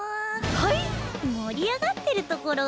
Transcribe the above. はい⁉盛り上がってるところ。